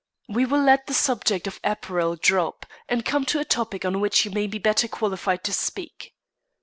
We will let the subject of apparel drop, and come to a topic on which you may be better qualified to speak.